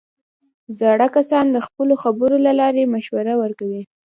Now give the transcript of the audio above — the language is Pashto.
زاړه کسان د خپلو خبرو له لارې مشوره ورکوي